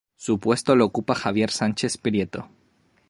Su puesto lo ocupa Javier Sánchez-Prieto.